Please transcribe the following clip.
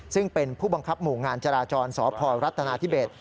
ซึ่งเป็นผู้บังคับหมู่งานจราจรสพรัฐนาธิเบศ